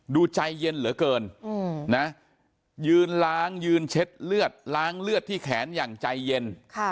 ดูใจเย็นเหลือเกินนะยืนล้างยืนเช็ดเลือดล้างเลือดที่แขนอย่างใจเย็น